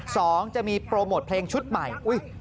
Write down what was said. สองจะมีโปรโมทเพลงชุดใหม่